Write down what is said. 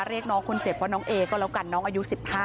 เรียกน้องคนเจ็บว่าน้องเอก็แล้วกันน้องอายุ๑๕